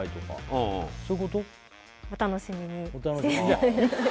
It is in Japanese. お楽しみ？